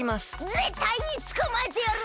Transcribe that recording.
ぜったいにつかまえてやる！